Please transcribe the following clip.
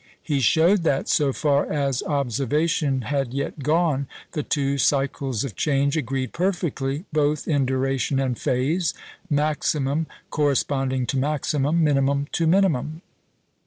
He showed that, so far as observation had yet gone, the two cycles of change agreed perfectly both in duration and phase, maximum corresponding to maximum, minimum to minimum.